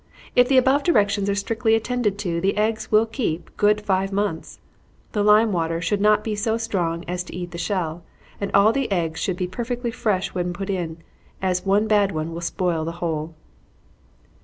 If the above directions are strictly attended to, the eggs will keep good five months. The lime water should not be so strong as to eat the shell, and all the eggs should be perfectly fresh when put in, as one bad one will spoil the whole.